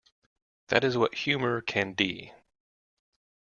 That is what humor can d.